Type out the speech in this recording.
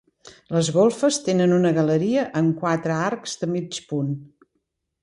Les golfes tenen una galeria amb quatre arcs de mig punt.